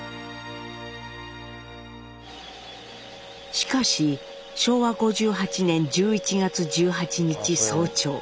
しかし昭和５８年１１月１８日早朝。